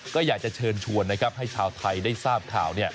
ก็อยากจะเชิญชวนให้ชาวไทยได้ทราบขาว